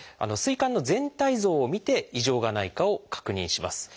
膵管の全体像をみて異常がないかを確認します。